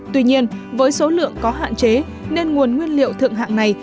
tuy nhiên với số lượng có hạn chế nên nguồn nguyên liệu thượng hạng này